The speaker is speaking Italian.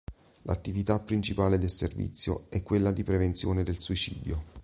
L'attività principale del servizio è quella di prevenzione del suicidio.